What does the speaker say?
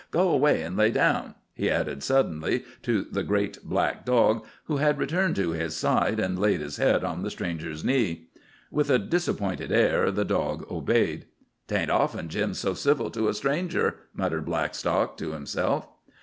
Go 'way an' lay down," he added suddenly to the great black dog, who had returned to his side and laid his head on the stranger's knee. With a disappointed air the dog obeyed. "'Tain't often Jim's so civil to a stranger," muttered Blackstock to himself.